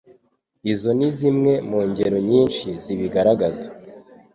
Izo ni zimwe mu ngero nyinshi zibigaragaza